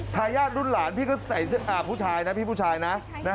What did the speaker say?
ทายาทรุ่นหลานพี่ก็ใส่ผู้ชายนะพี่ผู้ชายนะ